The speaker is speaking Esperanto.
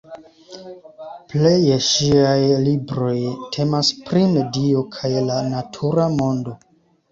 Pleje ŝiaj libroj temas pri medio kaj la natura mondo.